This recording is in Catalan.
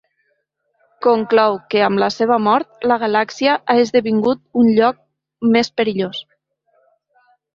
Conclou que amb la seva mort, la galàxia ha esdevingut un lloc més perillós.